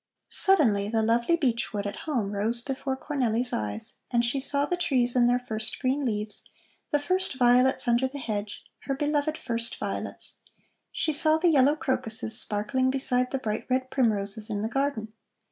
Suddenly the lovely beech wood at home rose before Cornelli's eyes, and she saw the trees in their first green leaves, the first violets under the hedge, her beloved first violets; she saw the yellow crocuses sparkling beside the bright red primroses in the garden.